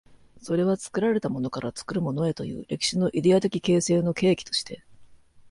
それは作られたものから作るものへという歴史のイデヤ的形成の契機として、